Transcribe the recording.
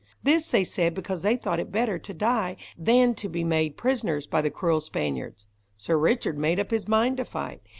This they said because they thought it better to die, than to be made prisoners by the cruel Spaniards. Sir Richard made up his mind to fight.